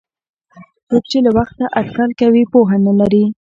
څوک چې له وخته اټکل کوي پوهه نه لري.